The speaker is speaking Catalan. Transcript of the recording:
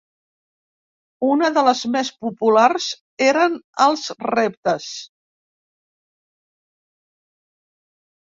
Unes de les més populars eren els reptes.